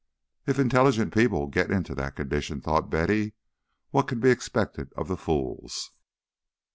"If intelligent people get into that condition," thought Betty, "what can be expected of the fools?